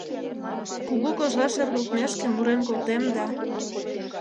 Кугу кожла шергылтмешке мурен колтем да